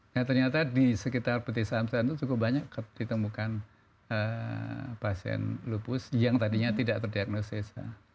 nah ternyata di sekitar petisam saat itu cukup banyak ditemukan pasien lupus yang tadinya tidak terdiagnosis